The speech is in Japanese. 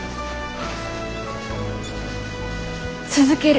続ける。